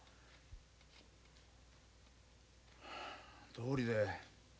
どうりで。